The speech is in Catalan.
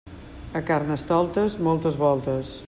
A Carnestoltes, moltes voltes.